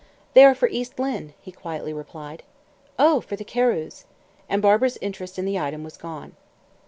"They are for East Lynne," he quietly replied. "Oh, for the Carews." And Barbara's interest in the item was gone.